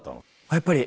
やっぱり。